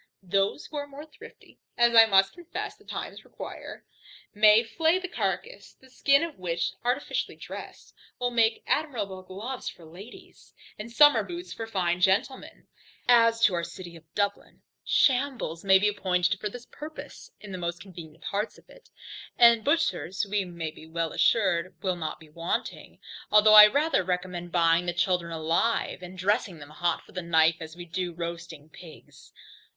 Those who are more thrifty (as I must confess the times require) may flay the carcass; the skin of which, artificially dressed, will make admirable gloves for ladies, and summer boots for fine gentlemen. As to our City of Dublin, shambles may be appointed for this purpose, in the most convenient parts of it, and butchers we may be assured will not be wanting; although I rather recommend buying the children alive, and dressing them hot from the knife, as we do roasting pigs.